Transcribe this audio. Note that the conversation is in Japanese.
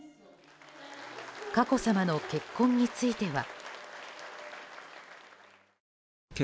佳子さまの結婚については。